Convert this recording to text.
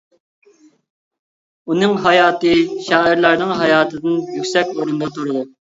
ئۇنىڭ ھاياتى شائىرلارنىڭ ھاياتىدىن يۈكسەك ئورۇندا تۇرىدۇ.